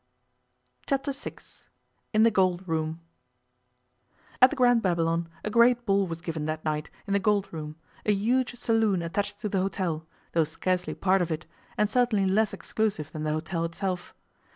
Chapter Six IN THE GOLD ROOM AT the Grand Babylon a great ball was given that night in the Gold Room, a huge saloon attached to the hotel, though scarcely part of it, and certainly less exclusive than the hotel itself.